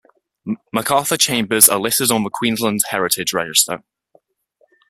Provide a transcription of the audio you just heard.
MacArthur Chambers are listed on the Queensland Heritage Register.